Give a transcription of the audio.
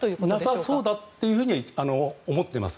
なさそうだと思っています。